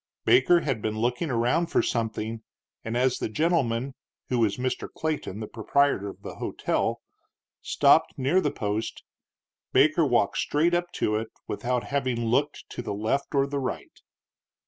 Baker had been looking around for something, and, as the gentleman (who was Mr. Clayton, the proprietor of the hotel) stopped near the post, Baker walked straight up to it, without having looked to the left or the right.